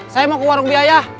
saya mau ke warung biaya